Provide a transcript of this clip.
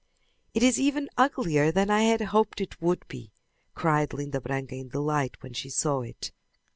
"It is even uglier than I had hoped it would be!" cried Linda Branca in delight when she saw it.